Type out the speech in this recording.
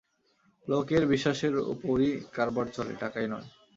লোকের বিশ্বাসের উপরই কারবার চলে, টাকায় নয়।